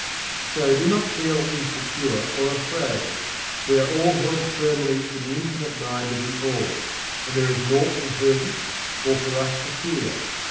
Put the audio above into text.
So, do not feel insecure or afraid we are all HELD FIRMLY IN THE INFINITE MIND OF THE ALL, and there is naught to hurt us or for us to fear.